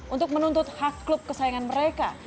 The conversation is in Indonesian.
untuk menuntut hak klub kesayangan mereka